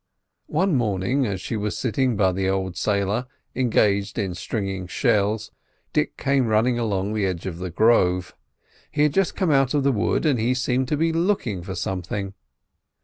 One morning, as she was sitting by the old sailor engaged in stringing shells, Dick came running along the edge of the grove. He had just come out of the wood, and he seemed to be looking for something.